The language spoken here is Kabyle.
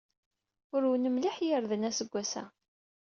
Urwen mliḥ yirden aseggas-a.